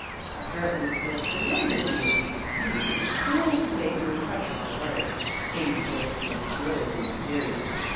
Apparently the solemnity of the proceeding was failing to make due impression on Elaine. Amy's voice became thrillingly mysterious.